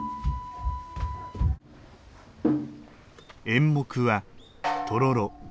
演目は「とろろ」。